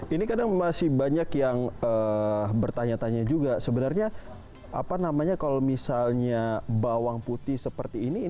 ini kadang masih banyak yang bertanya tanya juga sebenarnya apa namanya kalau misalnya bawang putih seperti ini